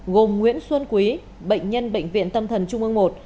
gồm nguyễn xuân quý bệnh nhân bệnh viện tâm thần trung ương i